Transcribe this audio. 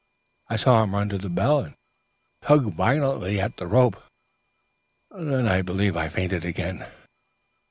I saw him run to the bell and tug violently at the rope. Then I believe I fainted again.